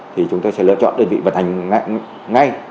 thì chúng tôi sẽ lựa chọn đơn vị vận hành ngay